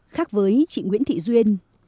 khác với chị nguyễn thị duyên